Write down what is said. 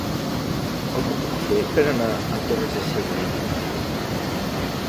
Com ho puc fer per anar a Torres de Segre dilluns?